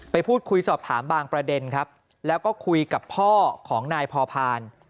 ไปพูดคุยสอบถามบางประเด็นครับแล้วก็คุยกับพ่อของนายพอพาน